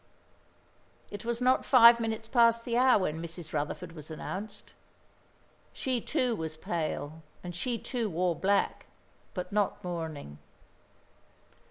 It was not five minutes past the hour when Mrs. Rutherford was announced. She, too, was pale, and she, too, wore black, but not mourning.